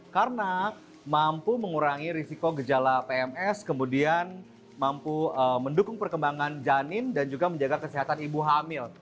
karena mampu mengurangi risiko gejala pms kemudian mampu mendukung perkembangan janin dan juga menjaga kesehatan ibu hamil